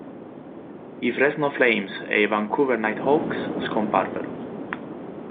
I Fresno Flames e i Vancouver Nighthawks scomparvero.